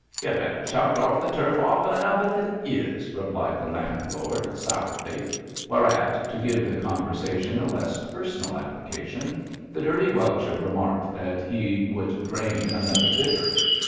'Y've bin chucked orf the turf often enough as it is,' replied the landlord, sourly, whereat, to give the conversation a less personal application, the dirty welcher remarked that he would drain another bitter.